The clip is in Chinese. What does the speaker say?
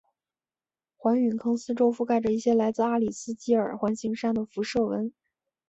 环陨坑四周覆盖着一些来自阿里斯基尔环形山的辐射纹。